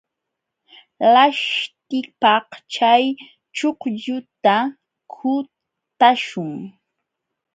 Laśhtipaq chay chuqlluta kutaśhun.